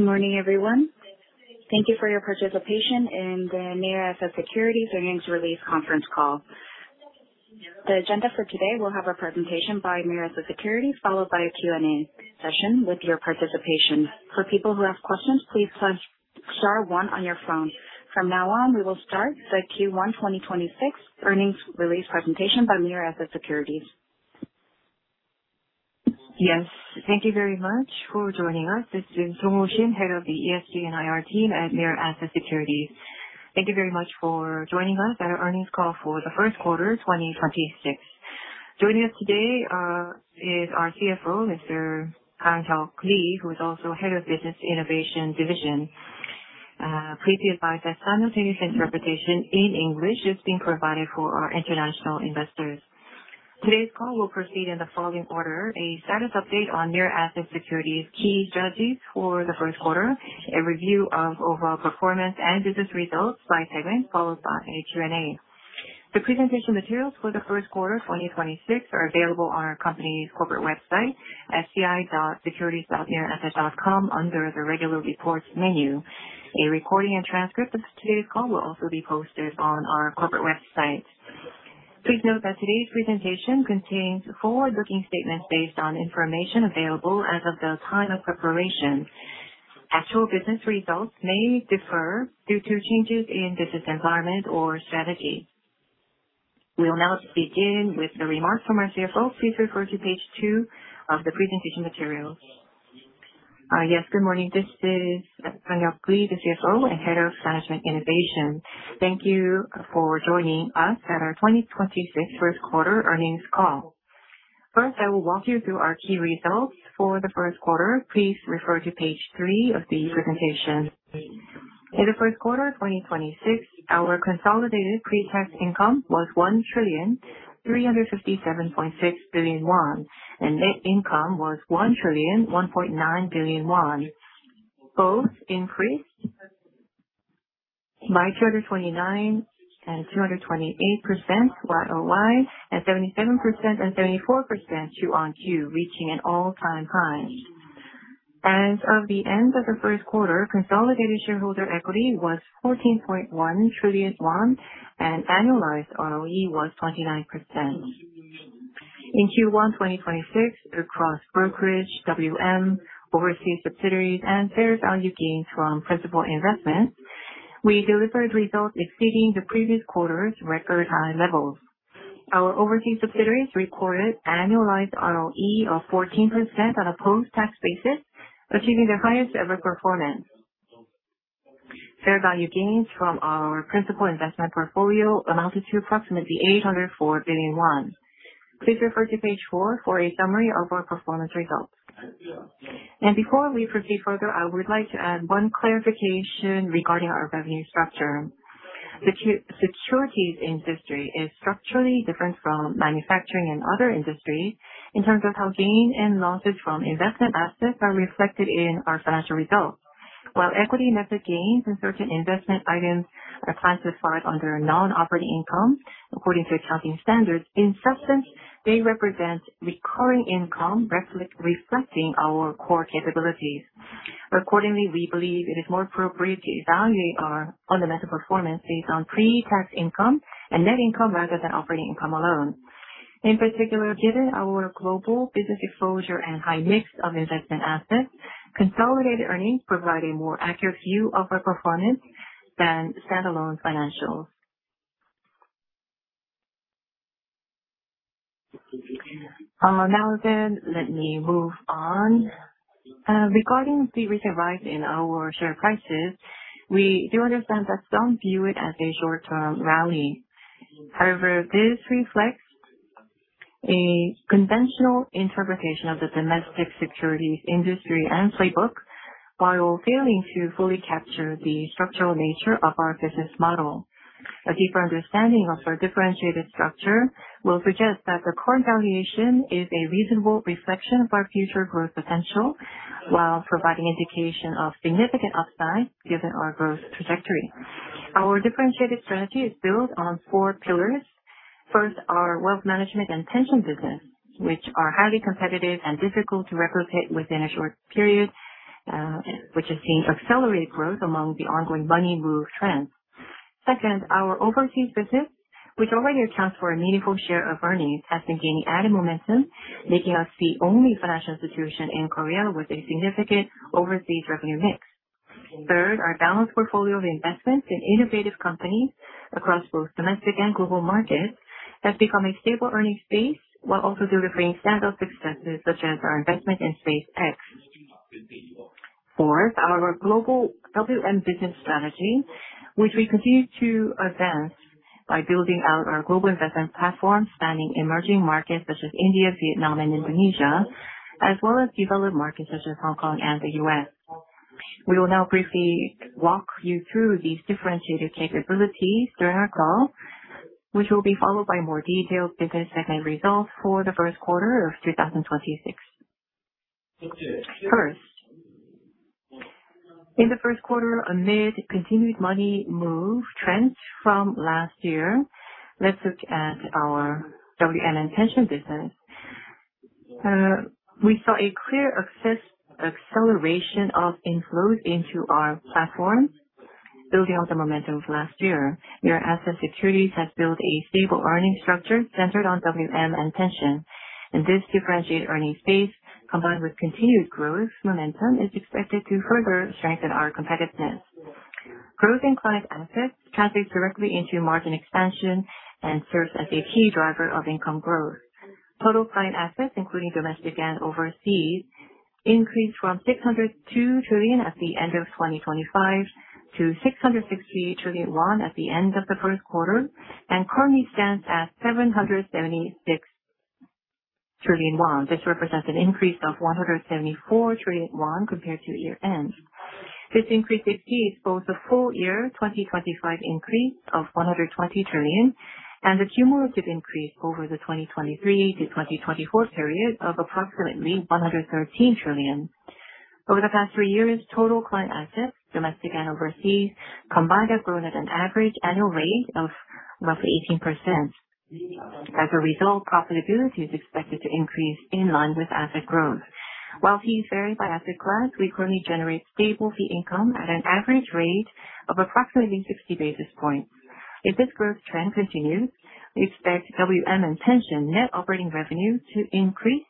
Good morning, everyone. Thank you for your participation in the Mirae Asset Securities earnings release conference call. The agenda for today, we will have a presentation by Mirae Asset Securities, followed by a Q&A session with your participation. For people who have questions, please press star one on your phone. From now on, we will start the Q1 2026 earnings release presentation by Mirae Asset Securities. Yes, thank you very much for joining us. This is Sungwoo Shin, Head of the ESG & IR team at Mirae Asset Securities. Thank you very much for joining us at our earnings call for the first quarter, 2026. Joining us today is our CFO, Mr. Kanghyuk Lee, who is also Head of Business Innovation Division. Please be advised that simultaneous interpretation in English is being provided for our international investors. Today's call will proceed in the following order: a status update on Mirae Asset Securities key strategies for the first quarter, a review of overall performance and business results by segment, followed by a Q&A. The presentation materials for the first quarter 2026 are available on our company's corporate website at securities.miraeasset.com under the Regular Reports menu. A recording and transcript of today's call will also be posted on our corporate website. Please note that today's presentation contains forward-looking statements based on information available as of the time of preparation. Actual business results may differ due to changes in business environment or strategy. We will now begin with the remarks from our CFO. Please refer to page two of the presentation materials. Yes, good morning. This is Kanghyuk Lee, the CFO and Head of Management Innovation. Thank you for joining us at our 2026 first quarter earnings call. First, I will walk you through our key results for the first quarter. Please refer to page three of the presentation. In the first quarter 2026, our consolidated pre-tax income was 1,357.6 billion won, and net income was 1,001.9 billion won. Both increased by 229% and 228% year-over-year, and 77% and 74% Q-on-Q, reaching an all-time high. As of the end of the first quarter, consolidated shareholder equity was 14.1 trillion won, and annualized ROE was 29%. In Q1 2026, across brokerage, WM, overseas subsidiaries, and fair value gains from principal investments, we delivered results exceeding the previous quarter's record high levels. Our overseas subsidiaries recorded annualized ROE of 14% on a post-tax basis, achieving their highest-ever performance. Fair value gains from our principal investment portfolio amounted to approximately 804 billion won. Please refer to page four for a summary of our performance results. Before we proceed further, I would like to add one clarification regarding our revenue structure. Securities industry is structurally different from manufacturing and other industries in terms of how gain and losses from investment assets are reflected in our financial results. While equity method gains and certain investment items are classified under non-operating income according to accounting standards, in substance, they represent recurring income, reflecting our core capabilities. Accordingly, we believe it is more appropriate to evaluate our fundamental performance based on pre-tax income and net income rather than operating income alone. In particular, given our global business exposure and high mix of investment assets, consolidated earnings provide a more accurate view of our performance than standalone financials. Let me move on. Regarding the recent rise in our share prices, we do understand that some view it as a short-term rally. However, this reflects a conventional interpretation of the domestic securities industry end playbook, while failing to fully capture the structural nature of our business model. A deeper understanding of our differentiated structure will suggest that the current valuation is a reasonable reflection of our future growth potential while providing indication of significant upside given our growth trajectory. Our differentiated strategy is built on four pillars. First, our wealth management and pension business, which are highly competitive and difficult to replicate within a short period, which has seen accelerated growth among the ongoing money move trends. Second, our overseas business, which already accounts for a meaningful share of earnings, has been gaining added momentum, making us the only financial institution in Korea with a significant overseas revenue mix. Third, our balanced portfolio of investments in innovative companies across both domestic and global markets has become a stable earning space while also delivering standout successes such as our investment in SpaceX. Fourth, our global WM business strategy, which we continue to advance by building out our global investment platform, spanning emerging markets such as India, Vietnam, and Indonesia, as well as developed markets such as Hong Kong and the U.S. We will now briefly walk you through these differentiated capabilities during our call, which will be followed by more detailed business segment results for the first quarter of 2026. First, in the first quarter, amid continued money move trends from last year, let's look at our WM and pension business. We saw a clear acceleration of inflows into our platform, building on the momentum of last year. Mirae Asset Securities has built a stable earnings structure centered on WM and pension, and this differentiated earnings base, combined with continued growth momentum, is expected to further strengthen our competitiveness. Growth in client assets translates directly into margin expansion and serves as a key driver of income growth. Total client assets, including domestic and overseas, increased from 602 trillion at the end of 2025 to 660 trillion won at the end of the first quarter, and currently stands at 776 trillion won. This represents an increase of 174 trillion won compared to year-end. This increase exceeds both the full year 2025 increase of 120 trillion and the cumulative increase over the 2023-2024 period of approximately 113 trillion. Over the past three years, total client assets, domestic and overseas combined, have grown at an average annual rate of roughly 18%. As a result, profitability is expected to increase in line with asset growth. While fees vary by asset class, we currently generate stable fee income at an average rate of approximately 60 basis points. If this growth trend continues, we expect WM and pension net operating revenue to increase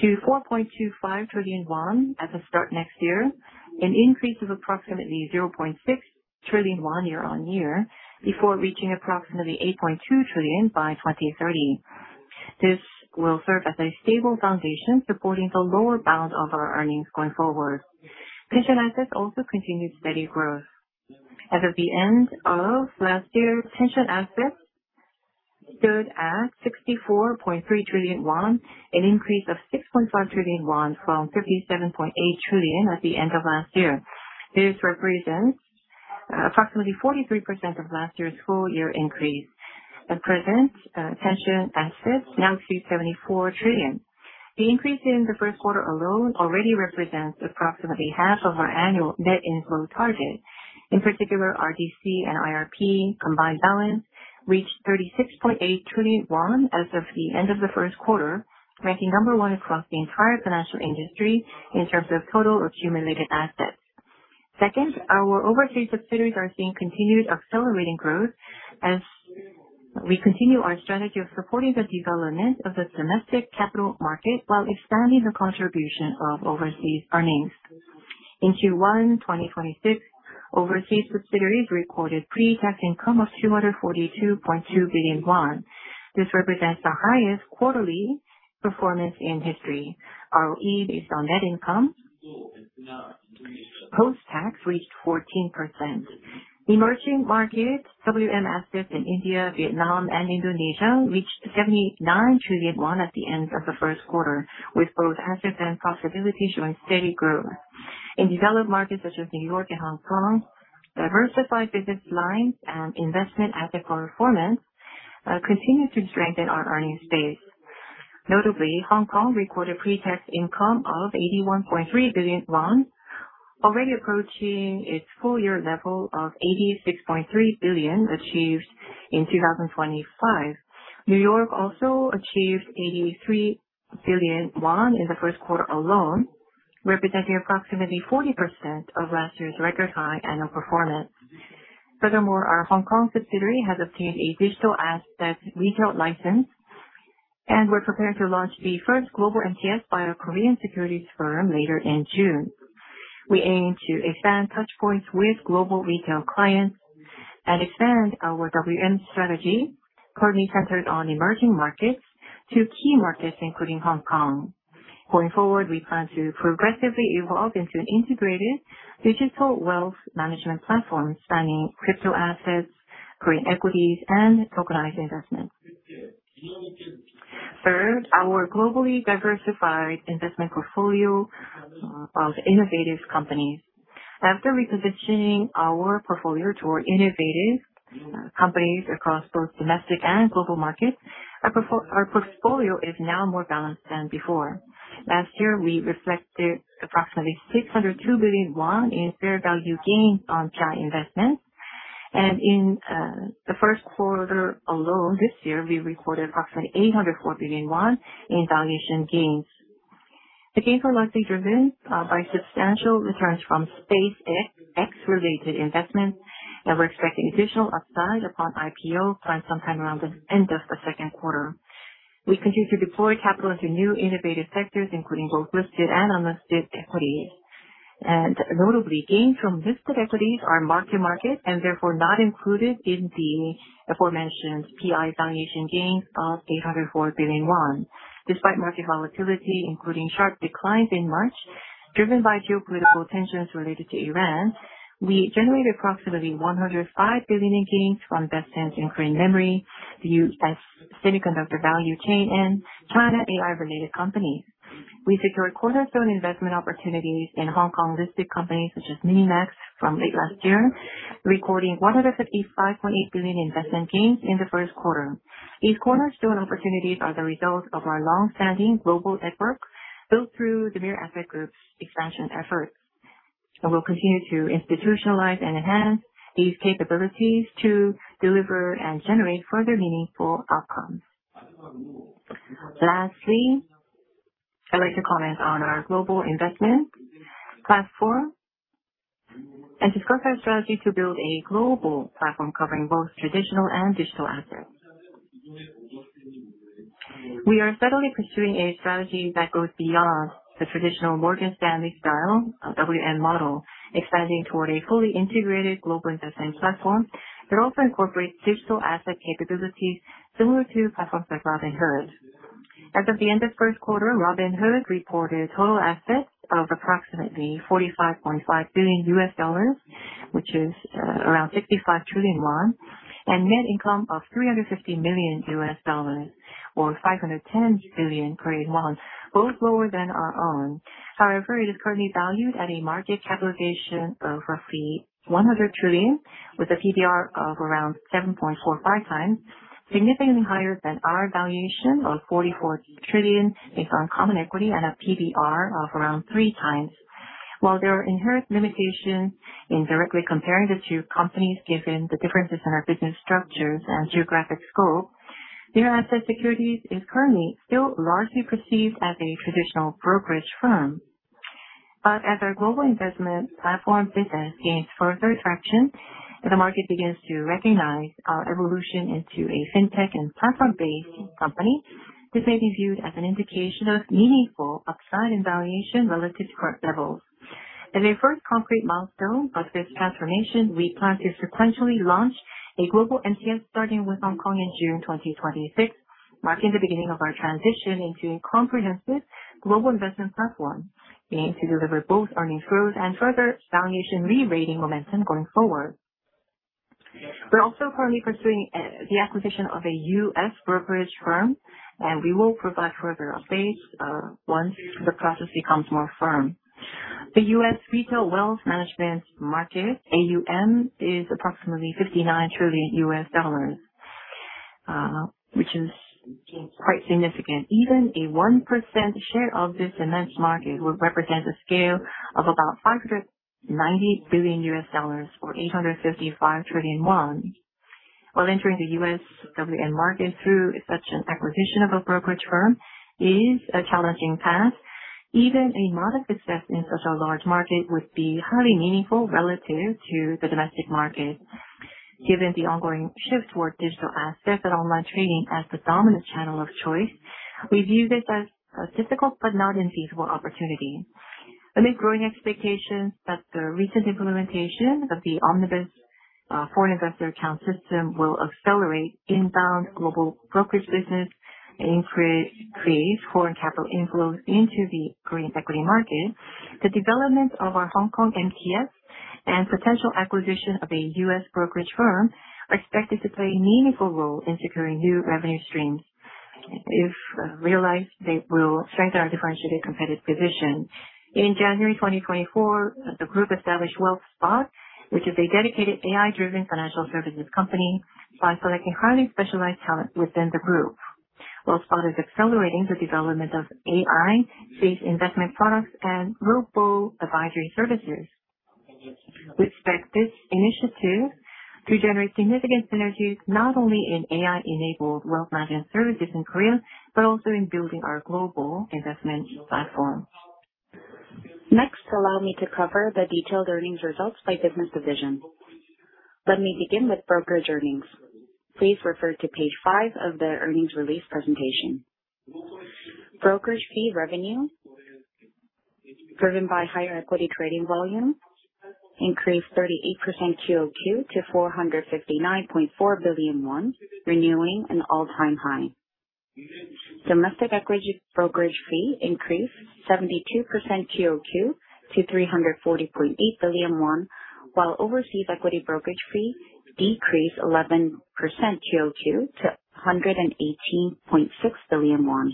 to 4.25 trillion won at the start of next year, an increase of approximately 0.6 trillion won year-over-year, before reaching approximately 8.2 trillion by 2030. This will serve as a stable foundation supporting the lower bound of our earnings going forward. Pension assets also continued steady growth. As of the end of last year, pension assets stood at 64.3 trillion won, an increase of 6.5 trillion won from 57.8 trillion at the end of last year. This represents approximately 43% of last year's full year increase. At present, pension assets now KRW 374 trillion. The increase in the first quarter alone already represents approximately half of our annual net inflow target. In particular, DC and IRP combined balance reached 36.8 trillion won as of the end of the first quarter, ranking number one across the entire financial industry in terms of total accumulated assets. Second, our overseas subsidiaries are seeing continued accelerating growth as we continue our strategy of supporting the development of the domestic capital market while expanding the contribution of overseas earnings. In Q1 2026, overseas subsidiaries recorded pre-tax income of 242.2 billion won. This represents the highest quarterly performance in history. ROE based on net income post-tax reached 14%. Emerging markets WM assets in India, Vietnam, and Indonesia reached 79 trillion won at the end of the first quarter, with both assets and profitability showing steady growth. In developed markets such as New York and Hong Kong, diversified business lines and investment asset performance continue to strengthen our earnings base. Notably, Hong Kong recorded pre-tax income of 81.3 billion won, already approaching its full year level of 86.3 billion achieved in 2025. New York also achieved 83 billion won in the first quarter alone, representing approximately 40% of last year's record high annual performance. Furthermore, our Hong Kong subsidiary has obtained a digital asset retail license, and we're preparing to launch the first global MTS by a Korean securities firm later in June. We aim to expand touchpoints with global retail clients and expand our WM strategy, currently centered on emerging markets, to key markets, including Hong Kong. Going forward, we plan to progressively evolve into an integrated digital wealth management platform spanning crypto assets, Korean equities, and tokenized investments. Third, our globally diversified investment portfolio of innovative companies. After repositioning our portfolio toward innovative companies across both domestic and global markets, our portfolio is now more balanced than before. Last year, we reflected approximately 602 billion won in fair value gains on PI investments. In the first quarter alone this year, we recorded approximately 804 billion won in valuation gains. The gains are largely driven by substantial returns from SpaceX related investments, and we're expecting additional upside upon IPO planned sometime around the end of the second quarter. We continue to deploy capital into new innovative sectors, including both listed and unlisted equities. Notably, gains from listed equities are mark to market and therefore not included in the aforementioned PI valuation gains of 804 billion won. Despite market volatility, including sharp declines in March, driven by geopolitical tensions related to Iran, we generated approximately 105 billion in gains from Bestan's increase memory, the U.S. semiconductor value chain, and China AI-related companies. We secured cornerstone investment opportunities in Hong Kong-listed companies such as MiniMax from late last year, recording 155.8 billion in investment gains in the first quarter. These cornerstone opportunities are the result of our long-standing global network built through the Mirae Asset Group's expansion efforts. We'll continue to institutionalize and enhance these capabilities to deliver and generate further meaningful outcomes. Lastly, I'd like to comment on our global investment platform and discuss our strategy to build a global platform covering both traditional and digital assets. We are steadily pursuing a strategy that goes beyond the traditional Morgan Stanley style, or WM model, expanding toward a fully integrated global investment platform that also incorporates digital asset capabilities similar to platforms like Robinhood. As of the end of first quarter, Robinhood reported total assets of approximately $45.5 billion, which is around 65 trillion won, and net income of $350 million or 510 billion Korean won, both lower than our own. However, it is currently valued at a market capitalization of roughly 100 trillion, with a PBR of around 7.45 times, significantly higher than our valuation of 44 trillion based on common equity and a PBR of around three times. While there are inherent limitations in directly comparing the two companies, given the differences in our business structures and geographic scope, Mirae Asset Securities is currently still largely perceived as a traditional brokerage firm. As our global investment platform business gains further traction and the market begins to recognize our evolution into a fintech and platform-based company, this may be viewed as an indication of meaningful upside in valuation relative to current levels. As a first concrete milestone of this transformation, we plan to sequentially launch a global MTS, starting with Hong Kong in June 2026, marking the beginning of our transition into a comprehensive global investment platform, aiming to deliver both earnings growth and further valuation re-rating momentum going forward. We are also currently pursuing the acquisition of a U.S. brokerage firm, and we will provide further updates once the process becomes more firm. The U.S. retail wealth management market, AUM, is approximately $59 trillion, which is quite significant. Even a 1% share of this immense market would represent a scale of about $590 billion, or 855 trillion won. While entering the U.S. WM market through such an acquisition of a brokerage firm is a challenging path, even a modest success in such a large market would be highly meaningful relative to the domestic market. Given the ongoing shift toward digital assets and online trading as predominant channel of choice, we view this as a difficult but not infeasible opportunity. Amid growing expectations that the recent implementation of the omnibus foreign investor account system will accelerate inbound global brokerage business and create foreign capital inflows into the Korean equity market, the development of our Hong Kong MTS and potential acquisition of a U.S. brokerage firm are expected to play a meaningful role in securing new revenue streams. If realized, they will strengthen our differentiated competitive position. In January 2024, the group established Wealth Spot, which is a dedicated AI-driven financial services company by selecting highly specialized talent within the group. Wealth Spot is accelerating the development of AI-based investment products and robo advisory services. We expect this initiative to generate significant synergies not only in AI-enabled wealth management services in Korea, but also in building our global investment platform. Next, allow me to cover the detailed earnings results by business division. Let me begin with brokerage earnings. Please refer to page five of the earnings release presentation. Brokerage fee revenue, driven by higher equity trading volume, increased 38% QOQ to 459.4 billion won, renewing an all-time high. Domestic equity brokerage fee increased 72% QOQ to 340.8 billion won, while overseas equity brokerage fee decreased 11% QOQ to 118.6 billion won.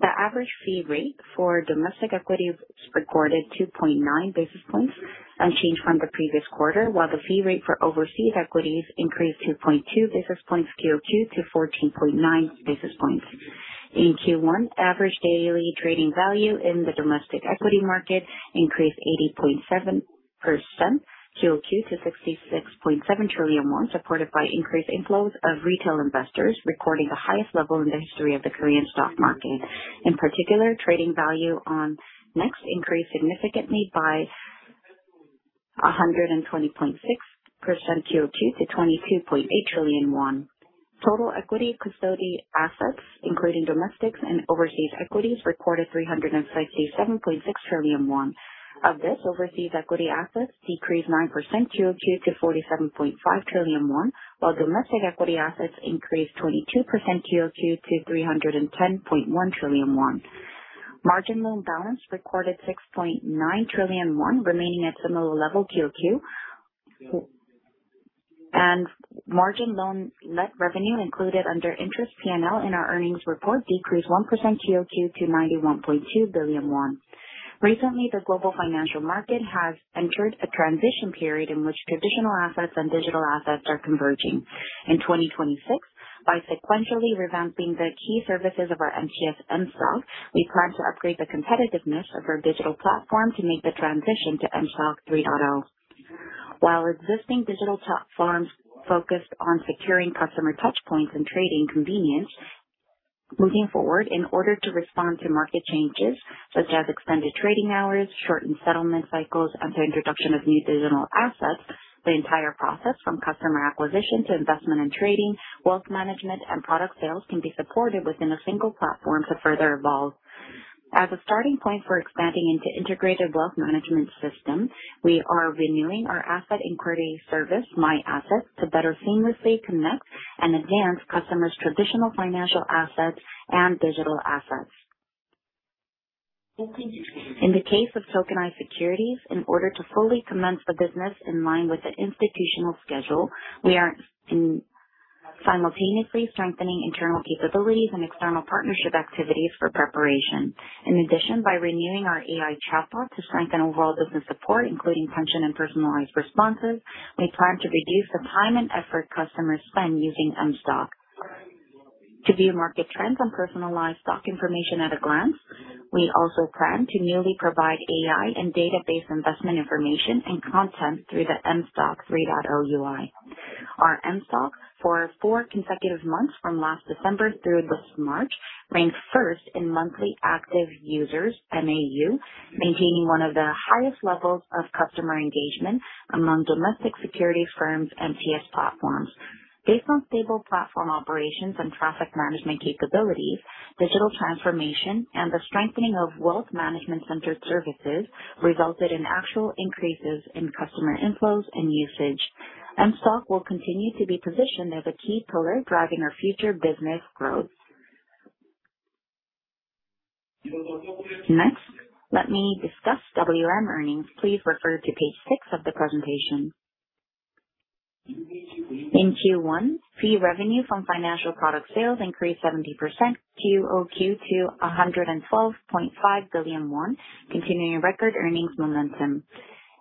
The average fee rate for domestic equities recorded 2.9 basis points, unchanged from the previous quarter, while the fee rate for overseas equities increased 2.2 basis points QOQ to 14.9 basis points. In Q1, average daily trading value in the domestic equity market increased 80.7% QOQ to 66.7 trillion won, supported by increased inflows of retail investors, recording the highest level in the history of the Korean stock market. In particular, trading value on KONEX increased significantly by 120.6% QOQ to 22.8 trillion won. Total equity custody assets, including domestics and overseas equities, recorded 357.6 trillion won. Of this, overseas equity assets decreased 9% QOQ to 47.5 trillion won, while domestic equity assets increased 22% QOQ to 310.1 trillion won. Margin loan balance recorded 6.9 trillion won, remaining at similar level QOQ. Margin loan net revenue included under interest P&L in our earnings report decreased 1% QOQ to 91.2 billion won. Recently, the global financial market has entered a transition period in which traditional assets and digital assets are converging. In 2026- By sequentially revamping the key services of our MTS M-STOCK, we plan to upgrade the competitiveness of our digital platform to make the transition to M-STOCK 3.0. While existing digital platforms focused on securing customer touchpoints and trading convenience, moving forward, in order to respond to market changes such as extended trading hours, shortened settlement cycles, and the introduction of new digital assets, the entire process, from customer acquisition to investment and trading, wealth management and product sales can be supported within a single platform to further evolve. As a starting point for expanding into integrated wealth management system, we are renewing our asset inquiry service, MY Assets, to better seamlessly connect and advance customers' traditional financial assets and digital assets. In the case of tokenized securities, in order to fully commence the business in line with the institutional schedule, we are simultaneously strengthening internal capabilities and external partnership activities for preparation. In addition, by renewing our AI chatbot to strengthen overall business support, including function and personalized responses, we plan to reduce the time and effort customers spend using M-STOCK. To view market trends and personalized stock information at a glance, we also plan to newly provide AI and database investment information and content through the M-STOCK 3.0 UI. Our M-STOCK, for four consecutive months from last December through this March, ranked first in monthly active users, MAU, maintaining one of the highest levels of customer engagement among domestic securities firms' MTS platforms. Based on stable platform operations and traffic management capabilities, digital transformation and the strengthening of wealth management-centered services resulted in actual increases in customer inflows and usage. M-STOCK will continue to be positioned as a key pillar driving our future business growth. Next, let me discuss WM earnings. Please refer to page six of the presentation. In Q1, fee revenue from financial product sales increased 70% QOQ to 112.5 billion won, continuing record earnings momentum.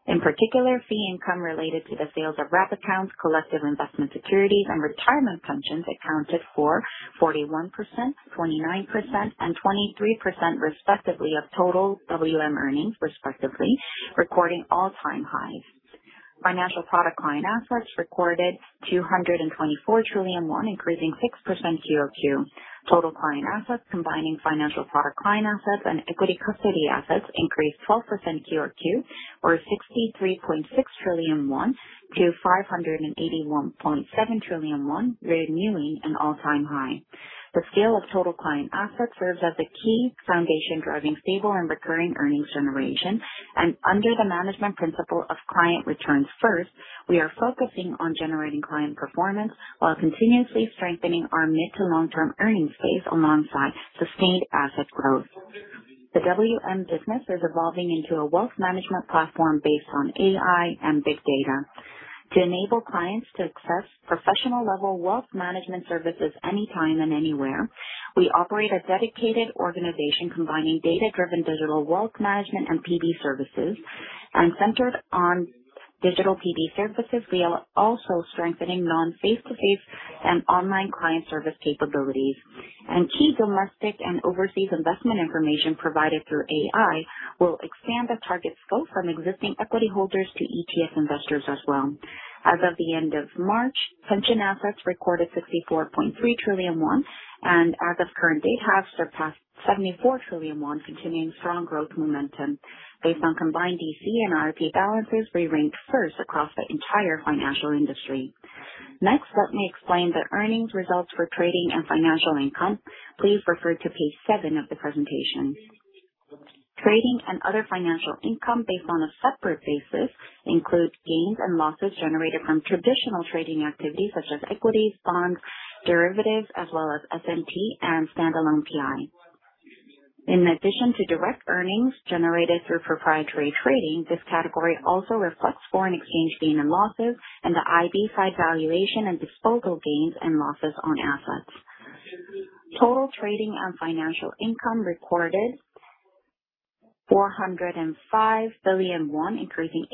In particular, fee income related to the sales of wrap accounts, collective investment securities, and retirement pensions accounted for 41%, 29%, and 23% respectively of total WM earnings respectively, recording all-time highs. Financial product client assets recorded 224 trillion won, increasing 6% QOQ. Total client assets, combining financial product client assets and equity custody assets, increased 12% QOQ, or 63.6 trillion won to 581.7 trillion won, renewing an all-time high. The scale of total client assets serves as the key foundation driving stable and recurring earnings generation. Under the management principle of client returns first, we are focusing on generating client performance while continuously strengthening our mid to long-term earnings base alongside sustained asset growth. The WM business is evolving into a wealth management platform based on AI and big data. To enable clients to access professional-level wealth management services anytime and anywhere, we operate a dedicated organization combining data-driven digital wealth management and PB services. Centered on digital PB services, we are also strengthening non-face-to-face and online client service capabilities. Key domestic and overseas investment information provided through AI will expand the target scope from existing equity holders to ETF investors as well. As of the end of March, pension assets recorded 64.3 trillion won and, as of current date, have surpassed 74 trillion won, continuing strong growth momentum. Based on combined DC and RP balances, we ranked first across the entire financial industry. Next, let me explain the earnings results for trading and financial income. Please refer to page seven of the presentation. Trading and other financial income, based on a separate basis, includes gains and losses generated from traditional trading activities such as equities, bonds, derivatives, as well as SMT and standalone PI. In addition to direct earnings generated through proprietary trading, this category also reflects foreign exchange gain and losses and the IB side valuation and disposal gains and losses on assets. Total trading and financial income recorded 405 billion won, increasing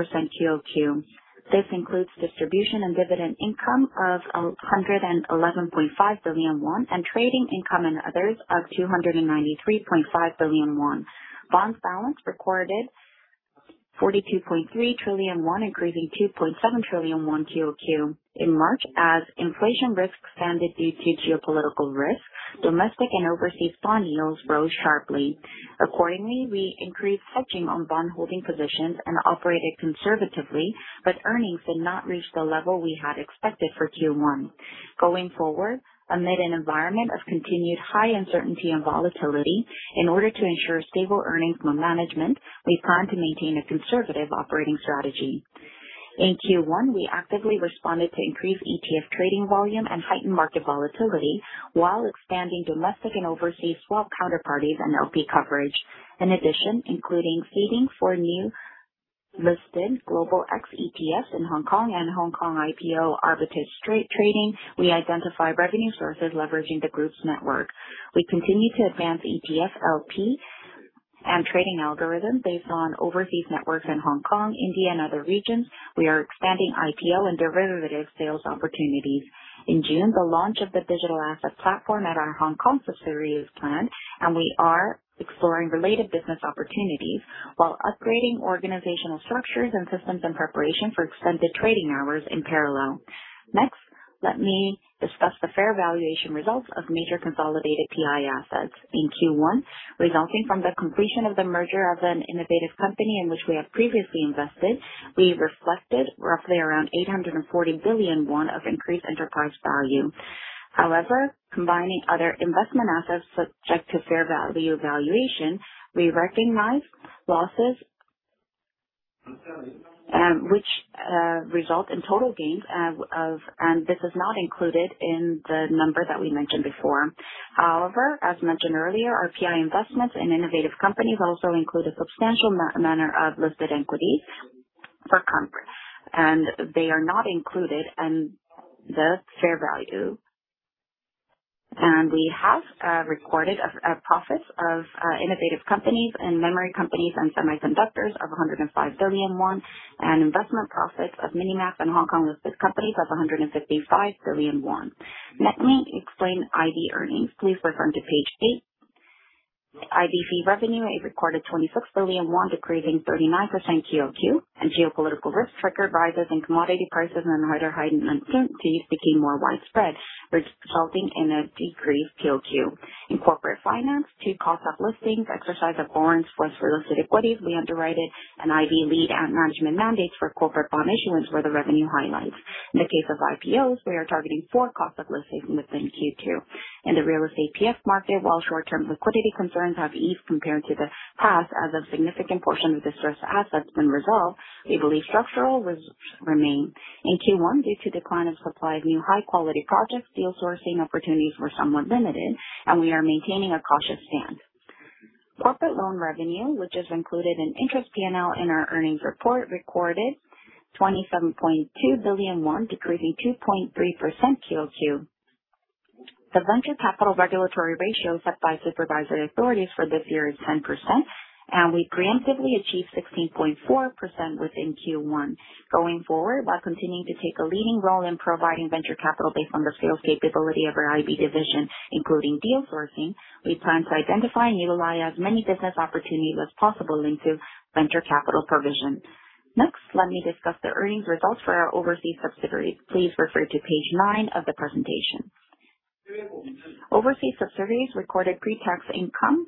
83% QOQ. This includes distribution and dividend income of 111.5 billion won and trading income and others of 293.5 billion won. Bonds balance recorded 42.3 trillion won, increasing 2.7 trillion won QOQ. In March, as inflation risks expanded due to geopolitical risks, domestic and overseas bond yields rose sharply. Accordingly, we increased hedging on bond holding positions and operated conservatively, but earnings did not reach the level we had expected for Q1. Going forward, amid an environment of continued high uncertainty and volatility, in order to ensure stable earnings management, we plan to maintain a conservative operating strategy. In Q1, we actively responded to increased ETF trading volume and heightened market volatility while expanding domestic and overseas swap counterparties and LP coverage. In addition, including seeding for new listed Global X ETFs in Hong Kong and Hong Kong IPO arbitrage straight trading, we identify revenue sources leveraging the group's network. We continue to advance ETF LP and trading algorithms based on overseas networks in Hong Kong, India, and other regions. We are expanding IPO and derivative sales opportunities. In June, the launch of the digital asset platform at our Hong Kong subsidiary is planned, and we are exploring related business opportunities while upgrading organizational structures and systems in preparation for extended trading hours in parallel. Next, let me discuss the fair valuation results of major consolidated PI assets in Q1, resulting from the completion of the merger of an innovative company in which we have previously invested. We reflected roughly around 840 billion won of increased enterprise value. However, combining other investment assets subject to fair value evaluation, we recognized losses, which result in total gains of, and this is not included in the number that we mentioned before. However, as mentioned earlier, our PI investments in innovative companies also include a substantial manner of listed equity for conference, and they are not included in the fair value. We have recorded a profit of innovative companies and memory companies and semiconductors of 105 billion won and investment profits of MiniMax and Hong Kong-listed companies of 155 billion won. Let me explain IB earnings. Please refer to page eight. IB fee revenue recorded 26 billion won, decreasing 39% QOQ and geopolitical risk triggered rises in commodity prices and wider heightened uncertainties became more widespread, resulting in a decreased QOQ. In corporate finance to cost of listings, exercise of warrants for listed equities, we underwrote it, and IB lead and management mandates for corporate bond issuance were the revenue highlights. In the case of IPOs, we are targeting four cost of listings within Q2. In the real estate PF market, while short-term liquidity concerns have eased compared to the past as a significant portion of distressed assets been resolved, we believe structural risks remain. In Q1, due to decline of supply of new high-quality projects, deal sourcing opportunities were somewhat limited, and we are maintaining a cautious stand. Corporate loan revenue, which is included in interest P&L in our earnings report, recorded 27.2 billion won, decreasing 2.3% QOQ. The venture capital regulatory ratio set by supervisory authorities for this year is 10%, and we preemptively achieved 16.4% within Q1. Going forward, while continuing to take a leading role in providing venture capital based on the sales capability of our IB division, including deal sourcing, we plan to identify and utilize as many business opportunities as possible into venture capital provision. Next, let me discuss the earnings results for our overseas subsidiaries. Please refer to page nine of the presentation. Overseas subsidiaries recorded pre-tax income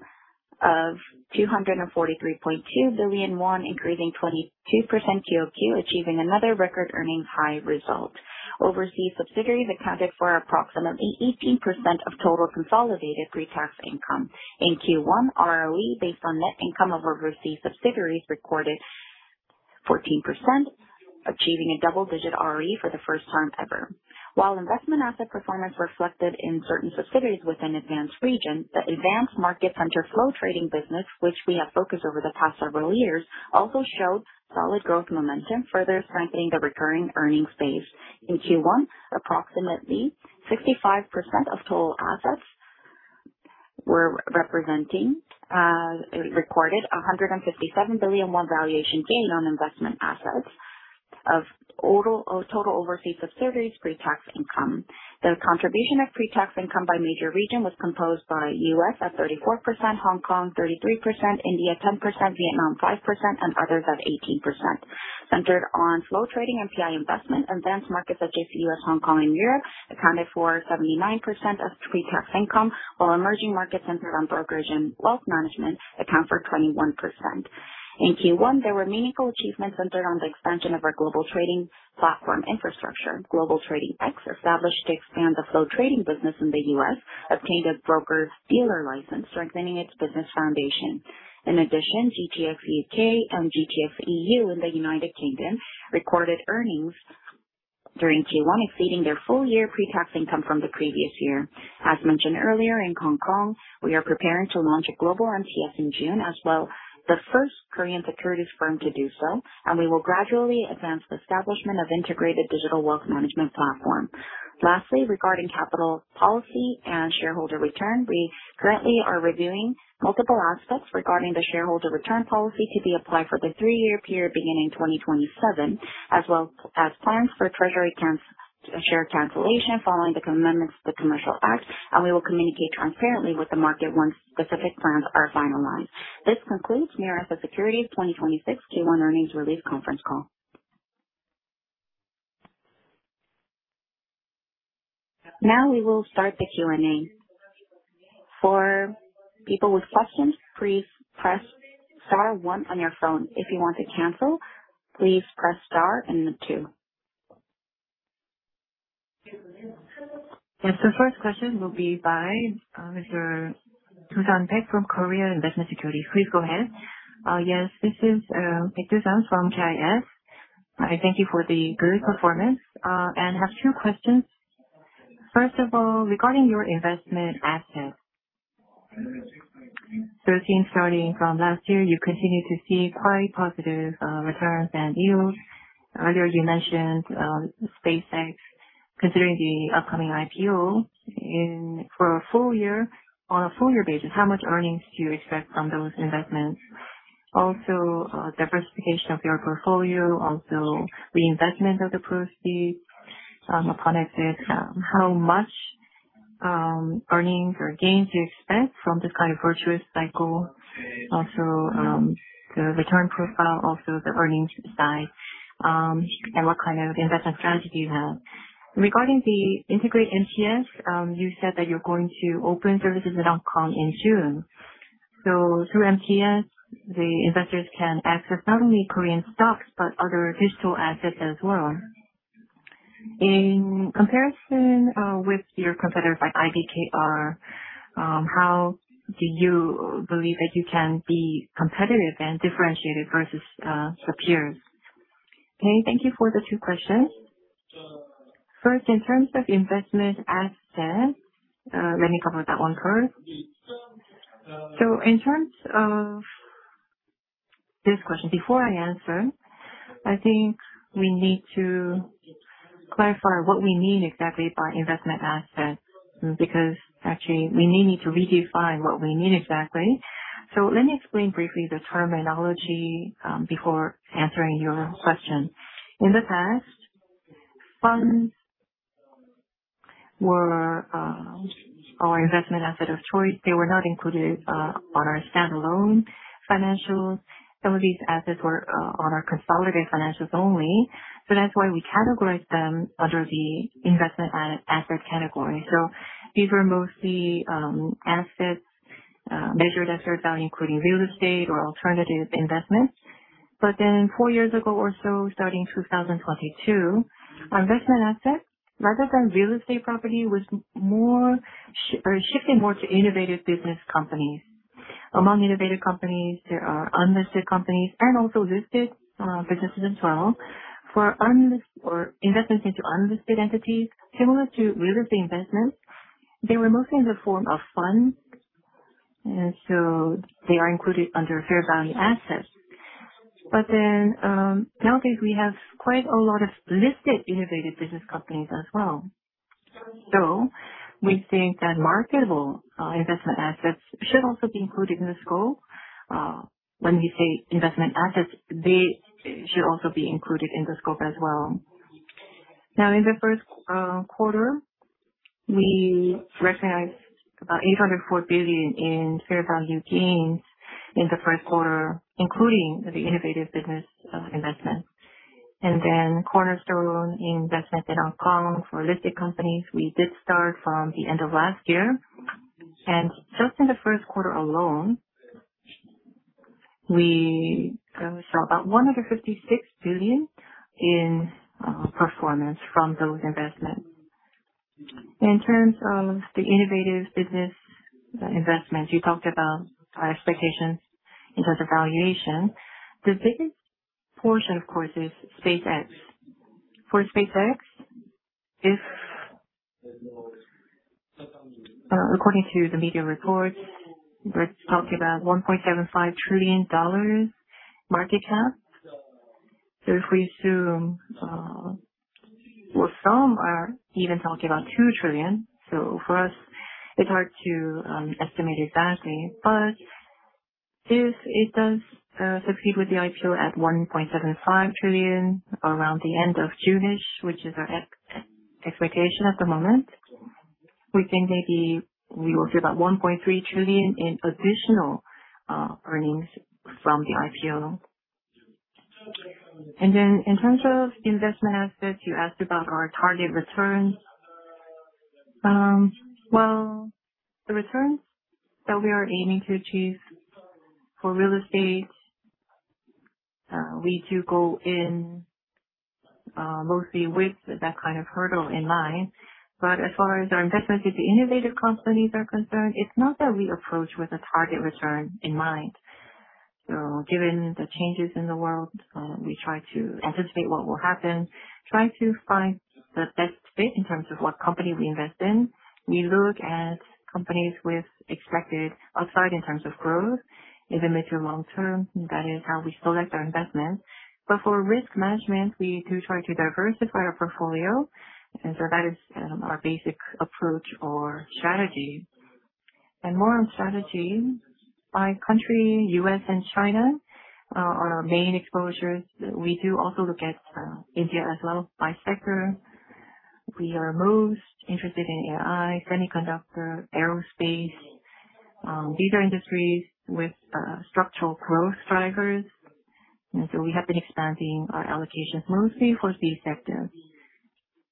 of 243.2 billion won, increasing 22% QOQ, achieving another record earnings high result. Overseas subsidiaries accounted for approximately 18% of total consolidated pre-tax income. In Q1, ROE, based on net income of overseas subsidiaries, recorded 14%, achieving a double-digit ROE for the first time ever. While investment asset performance reflected in certain subsidiaries within advanced region, the advanced market center flow trading business, which we have focused over the past several years, also showed solid growth momentum, further strengthening the recurring earnings base. In Q1, approximately 65% of total assets were reported 157 billion won valuation gain on investment assets of total overseas subsidiaries' pre-tax income. The contribution of pre-tax income by major region was composed by U.S. at 34%, Hong Kong 33%, India 10%, Vietnam 5%, and others at 18%. Centered on flow trading and PI investment, advanced markets such as the U.S., Hong Kong, and Europe accounted for 79% of pre-tax income, while emerging markets centered on brokerage and wealth management account for 21%. In Q1, there were meaningful achievements centered on the expansion of our global trading platform infrastructure. Global Trading X, established to expand the flow trading business in the U.S., obtained a broker-dealer license, strengthening its business foundation. In addition, GTX UK and GTX EU in the United Kingdom recorded earnings during Q1, exceeding their full year pre-tax income from the previous year. As mentioned earlier, in Hong Kong, we are preparing to launch a global MTS in June as well, the first Korean securities firm to do so, and we will gradually advance the establishment of integrated digital wealth management platform. Lastly, regarding capital policy and shareholder return, we currently are reviewing multiple aspects regarding the shareholder return policy to be applied for the three-year period beginning 2027, as well as plans for treasury share cancellation following the amendments to the Commercial Act, and we will communicate transparently with the market once specific plans are finalized. This concludes Mirae Asset Securities' 2026 Q1 earnings release conference call. Now we will start the Q&A. For people with questions, please press star one on your phone. If you want to cancel, please press star and two. Yes, the first question will be by Mr. Tusen Peck from Korea Investment & Securities. Please go ahead. Yes, this is Peck Tusen from KIS. I thank you for the good performance, and have two questions. First of all, regarding your investment assets. Starting from last year, you continue to see quite positive returns and yields. Earlier you mentioned SpaceX Considering the upcoming IPO, on a full year basis, how much earnings do you expect from those investments? Also, diversification of your portfolio, also reinvestment of the proceeds upon exit. How much earnings or gains you expect from this kind of virtuous cycle? Also, the return profile, also the earnings side, and what kind of investment strategy you have. Regarding the integrate MTS, you said that you're going to open services in Hong Kong in June. Through MTS, the investors can access not only Korean stocks but other digital assets as well. In comparison with your competitors like IDKR, how do you believe that you can be competitive and differentiated versus the peers? Okay, thank you for the two questions. First, in terms of investment assets, let me cover that one first. In terms of this question, before I answer, I think we need to clarify what we mean exactly by investment assets, because actually we may need to redefine what we mean exactly. Let me explain briefly the terminology, before answering your question. In the past, funds were our investment asset of choice. They were not included on our standalone financials. Some of these assets were on our consolidated financials only. That's why we categorized them under the investment asset category. These were mostly assets measured at fair value, including real estate or alternative investments. Four years ago or so, starting 2022, our investment assets, rather than real estate property, shifted more to innovative business companies. Among innovative companies, there are unlisted companies and also listed businesses as well. For investments into unlisted entities, similar to real estate investments, they were mostly in the form of funds, they are included under fair value assets. Nowadays, we have quite a lot of listed innovative business companies as well. We think that marketable investment assets should also be included in the scope. When we say investment assets, they should also be included in the scope as well. Now, in the first quarter, we recognized about 804 billion in fair value gains in the first quarter, including the innovative business investments. Cornerstone investment in Hong Kong for listed companies, we did start from the end of last year. Just in the first quarter alone, we saw about 156 billion in performance from those investments. In terms of the innovative business investments, you talked about our expectations in terms of valuation. The biggest portion, of course, is SpaceX. For SpaceX, according to the media reports, we're talking about $1.75 trillion market cap. If we assume, well, some are even talking about $2 trillion. For us, it's hard to estimate exactly, but if it does succeed with the IPO at $1.75 trillion around the end of June-ish, which is our expectation at the moment, we think maybe we will see about 1 trillion 300 and billion in additional earnings from the IPO. In terms of investment assets, you asked about our target returns. Well, the returns that we are aiming to achieve for real estate, we do go in mostly with that kind of hurdle in mind. As far as our investments with the innovative companies are concerned, it's not that we approach with a target return in mind. Given the changes in the world, we try to anticipate what will happen, try to find the best fit in terms of what company we invest in. We look at companies with expected upside in terms of growth in the mid- to long-term. That is how we select our investments. For risk management, we do try to diversify our portfolio, that is our basic approach or strategy. More on strategy, by country, U.S. and China are our main exposures. We do also look at India as well. By sector, we are most interested in AI, semiconductor, aerospace. These are industries with structural growth drivers, we have been expanding our allocations mostly for these sectors.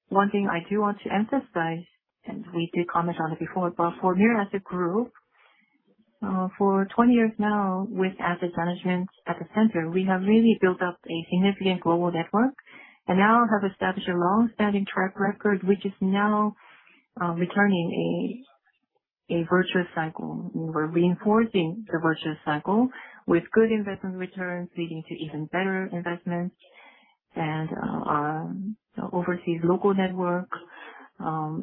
One thing I do want to emphasize, we did comment on it before, for Mirae Asset Group, for 20 years now with asset management at the center, we have really built up a significant global network and now have established a long-standing track record, which is now returning a virtuous cycle. We're reinforcing the virtuous cycle with good investment returns, leading to even better investments. Our overseas local network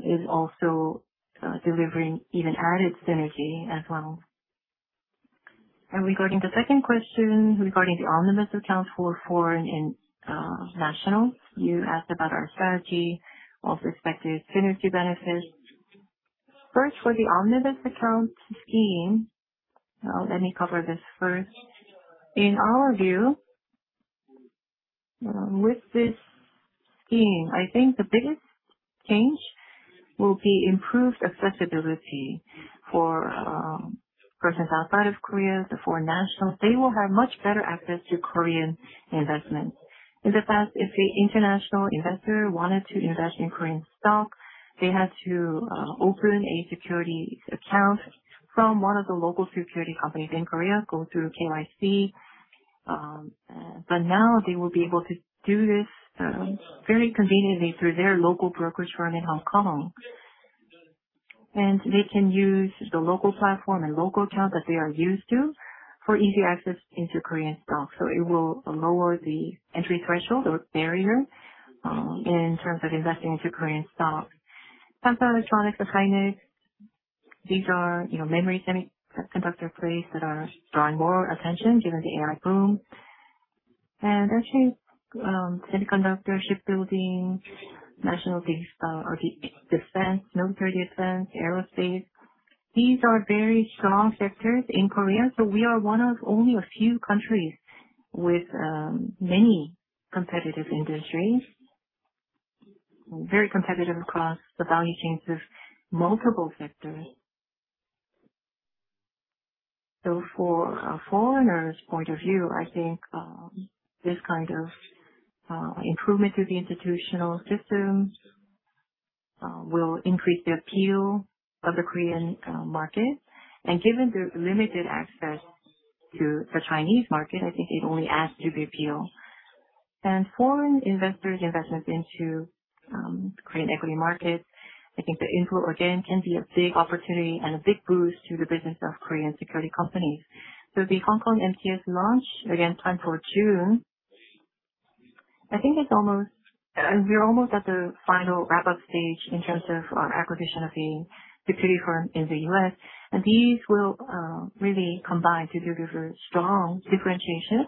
is also delivering even added synergy as well. Regarding the second question, regarding the omnibus accounts for foreign nationals, you asked about our strategy with respect to synergy benefits. First, for the omnibus account scheme, let me cover this first. In our view, with this scheme, I think the biggest change will be improved accessibility for persons outside of Korea, the foreign nationals. They will have much better access to Korean investments. In the past, if an international investor wanted to invest in Korean stock, they had to open a securities account from one of the local securities companies in Korea, go through KYC. Now they will be able to do this very conveniently through their local brokerage firm in Hong Kong. They can use the local platform and local account that they are used to for easy access into Korean stocks. It will lower the entry threshold or barrier in terms of investing into Korean stocks. Samsung Electronics and SK Hynix, these are memory semiconductor plays that are drawing more attention given the AI boom. Actually, semiconductor, shipbuilding, national defense, military defense, aerospace, these are very strong sectors in Korea. We are one of only a few countries with many competitive industries, very competitive across the value chains of multiple sectors. From a foreigner's point of view, I think this kind of improvement to the institutional systems will increase the appeal of the Korean market. Given the limited access to the Chinese market, I think it only adds to the appeal. Foreign investors' investments into Korean equity markets, I think the inflow, again, can be a big opportunity and a big boost to the business of Korean securities companies. The Hong Kong MTS launch, again, planned for June. We're almost at the final wrap-up stage in terms of acquisition of the security firm in the U.S., these will really combine to give us a strong differentiation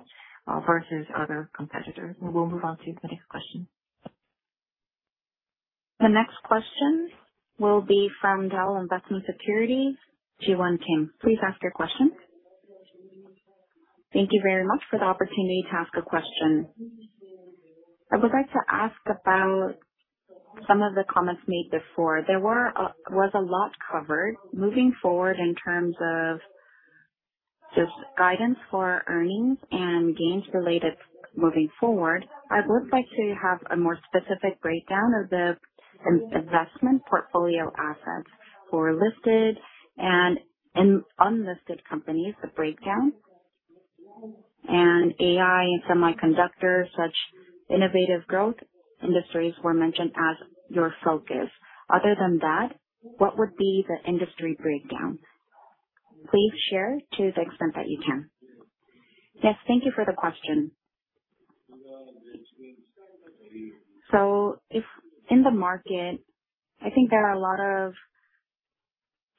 versus other competitors. We will move on to the next question. The next question will be from DAOL Investment & Securities, Jiwon Kim. Please ask your question. Thank you very much for the opportunity to ask a question. I would like to ask about some of the comments made before. There was a lot covered. In terms of guidance for earnings and gains related moving forward, I would like to have a more specific breakdown of the investment portfolio assets for listed and unlisted companies, the breakdown. AI, semiconductors, such innovative growth industries were mentioned as your focus. Other than that, what would be the industry breakdown? Please share to the extent that you can. Yes, thank you for the question. If in the market, I think there are a lot of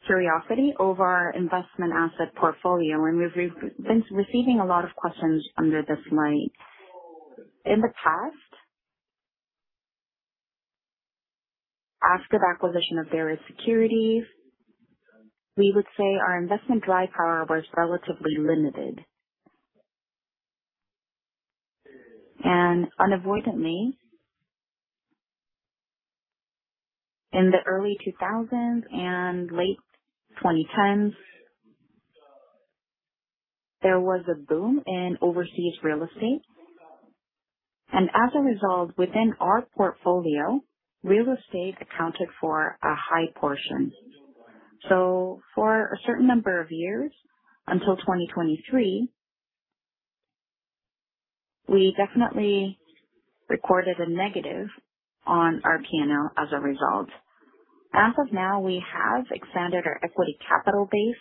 curiosity over our investment asset portfolio, and we've been receiving a lot of questions under this light. In the past, after the acquisition of various securities, we would say our investment dry power was relatively limited. Unavoidably, in the early 2000s and late 2010s, there was a boom in overseas real estate. As a result, within our portfolio, real estate accounted for a high portion. For a certain number of years, until 2023, we definitely recorded a negative on our P&L as a result. As of now, we have expanded our equity capital base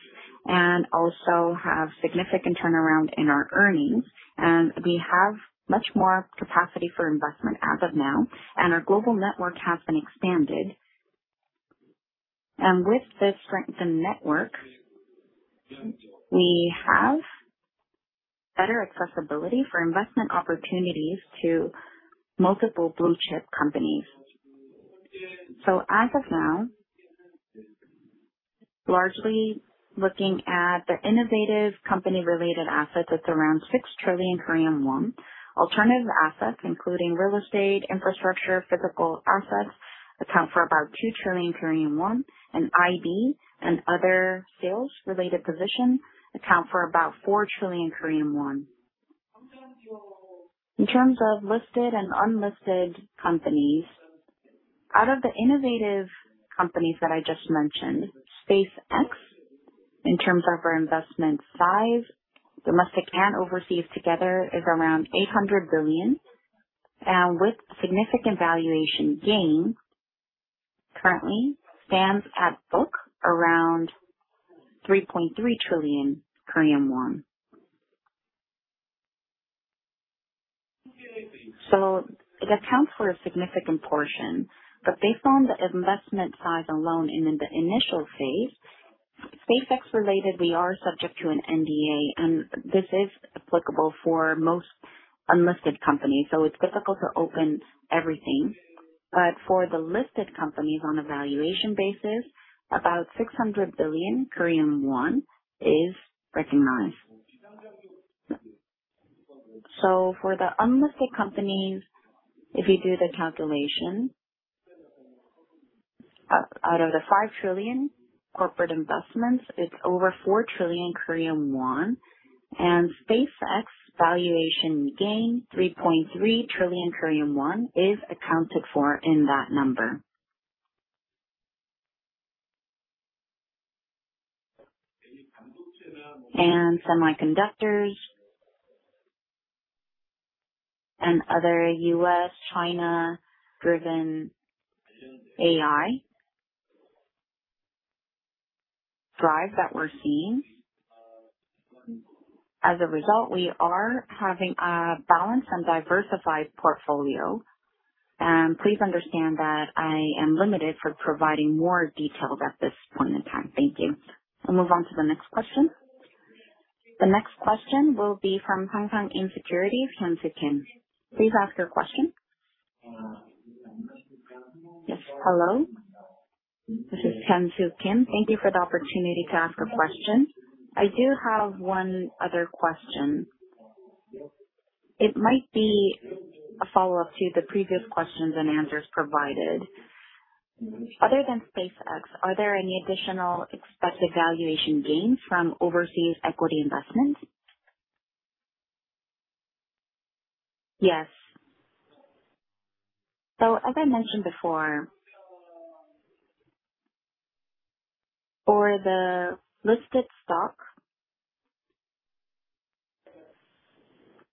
also have significant turnaround in our earnings, and we have much more capacity for investment as of now, our global network has been expanded. With this strengthened network, we have better accessibility for investment opportunities to multiple blue-chip companies. As of now, largely looking at the innovative company-related assets, it's around 6 trillion Korean won. Alternative assets, including real estate, infrastructure, physical assets, account for about 2 trillion Korean won, IB and other sales-related positions account for about 4 trillion Korean won. In terms of listed and unlisted companies, out of the innovative companies that I just mentioned, SpaceX, in terms of our investment size, domestic and overseas together, is around 800 billion. With significant valuation gain, currently stands at book around KRW 3.3 trillion. It accounts for a significant portion, but based on the investment size alone in the initial phase, SpaceX related, we are subject to an NDA, this is applicable for most unlisted companies, it's difficult to open everything. For the listed companies on a valuation basis, about 600 billion Korean won is recognized. For the unlisted companies, if you do the calculation, out of the 5 trillion corporate investments, it's over 4 trillion Korean won SpaceX valuation gain 3.3 trillion Korean won is accounted for in that number. Semiconductors and other U.S., China-driven AI drive that we're seeing. As a result, we are having a balanced and diversified portfolio. Please understand that I am limited for providing more details at this point in time. Thank you. We'll move on to the next question. The next question will be from Hang Seng Securities, Hyun Soo Kim. Please ask your question. Yes, hello. This is Hyun Soo Kim. Thank you for the opportunity to ask a question. I do have one other question. It might be a follow-up to the previous questions and answers provided. Other than SpaceX, are there any additional expected valuation gains from overseas equity investments? Yes. As I mentioned before, for the listed stock,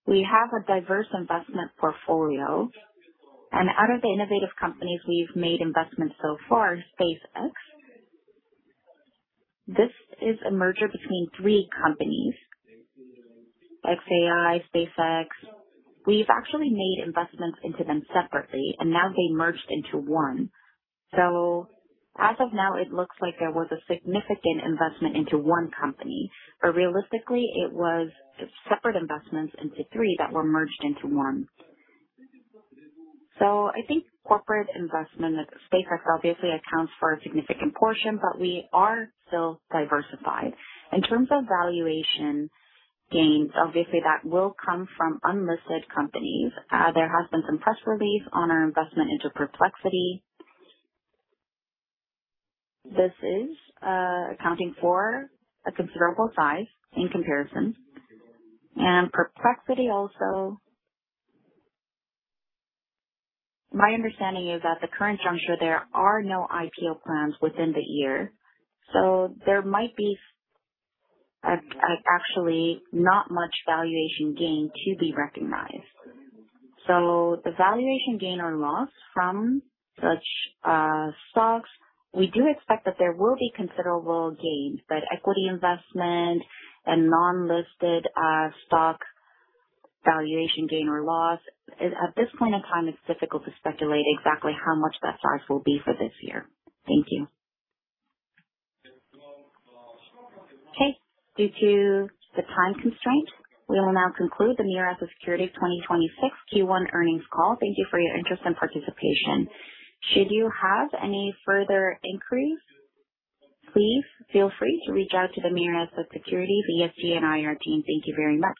we have a diverse investment portfolio. Out of the innovative companies we've made investments so far, SpaceX, this is a merger between three companies, xAI, SpaceX. We've actually made investments into them separately, and now they merged into one. As of now, it looks like there was a significant investment into one company, but realistically, it was separate investments into three that were merged into one. I think corporate investment at SpaceX obviously accounts for a significant portion, but we are still diversified. In terms of valuation gains, obviously, that will come from unlisted companies. There has been some press release on our investment into Perplexity. This is accounting for a considerable size in comparison. Perplexity also, my understanding is at the current juncture, there are no IPO plans within the year, so there might be actually not much valuation gain to be recognized. The valuation gain or loss from such stocks, we do expect that there will be considerable gains. Equity investment and non-listed stock valuation gain or loss, at this point in time, it's difficult to speculate exactly how much that size will be for this year. Thank you. Okay. Due to the time constraint, we will now conclude the Mirae Asset Securities 2026 Q1 earnings call. Thank you for your interest and participation. Should you have any further inquiries, please feel free to reach out to the Mirae Asset Securities BSD and IR team. Thank you very much.